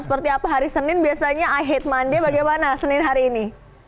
seperti apa hari senin biasanya e hate money bagaimana senin hari ini